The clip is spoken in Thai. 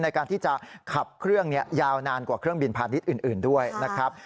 ในการที่จะขับเครื่องยาวนานกว่าเครื่องบินพาณิชย์อื่นด้วยนะครับ